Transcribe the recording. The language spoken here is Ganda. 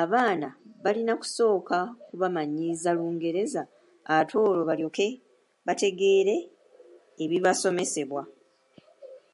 Abaana balina kusooka kubamanyiiza Lungereza ate olwo balyoke bategeere ebibasomesebwa.